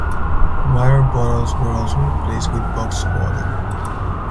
Water bottles were also replaced with boxed water.